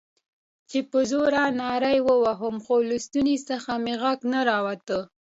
چې په زوره نارې ووهم، خو له ستوني څخه مې غږ نه راووت.